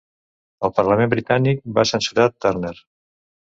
El Parlament britànic va censurar Turner.